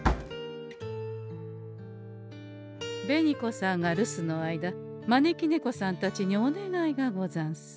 紅子さんが留守の間招き猫さんたちにお願いがござんす。